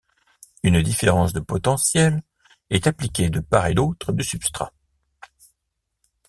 Une différence de potentiel est appliquée de part et d'autre du substrat.